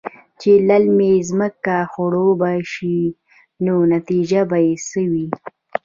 چې للمې زمکې خړوبې شي نو نتيجه يې څۀ وي؟